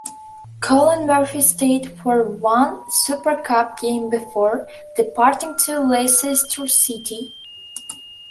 Colin Murphy stayed for one Super Cup game before departing to Leicester City.